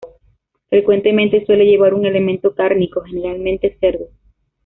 Frecuentemente suele llevar un elemento cárnico, generalmente cerdo.